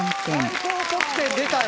最高得点出たよ